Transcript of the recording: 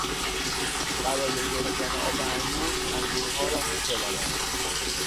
برای گرفتن آب انگور، انگورها را میچلانند.